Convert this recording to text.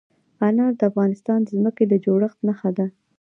انار د افغانستان د ځمکې د جوړښت نښه ده.